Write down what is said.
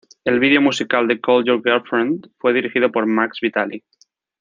El video musical de "Call Your Girlfriend" fue dirigido por Max Vitali.